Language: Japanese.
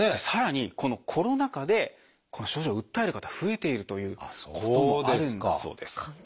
さらにこのコロナ禍でこの症状を訴える方が増えているということもあるんだそうです。